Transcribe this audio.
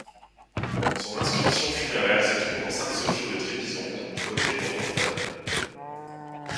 Son inscription funéraire se trouve dans Sainte-Sophie de Trébizonde, du côté oriental.